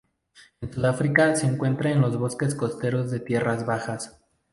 En Sudáfrica se encuentra en los bosques costeros de tierras bajas.